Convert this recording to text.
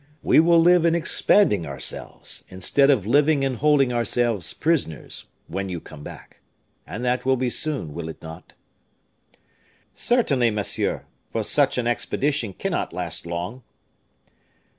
We will live in expanding ourselves, instead of living and holding ourselves prisoners, when you come back. And that will be soon, will it not?" "Certainly, monsieur, for such an expedition cannot last long."